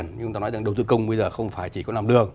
như chúng ta nói rằng đầu tư công bây giờ không phải chỉ có làm đường